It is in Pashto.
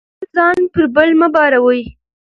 خپل ځان پر بل مه باروئ.